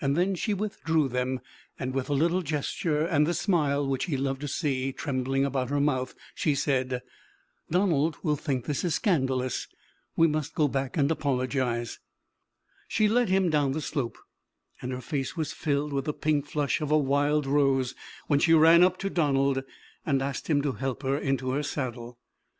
Then she withdrew them, and with a little gesture, and the smile which he loved to see trembling about her mouth, she said: "Donald will think this is scandalous. We must go back and apologize!" She led him down the slope, and her face was filled with the pink flush of a wild rose when she ran up to Donald, and asked him to help her into her saddle.